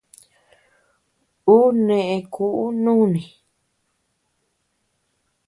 Ú neʼe kuʼu nùni.